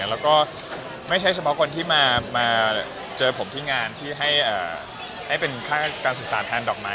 แล้วก็ไม่ใช่เฉพาะคนที่มาเจอผมที่งานที่ให้เป็นค่าการศึกษาแทนดอกไม้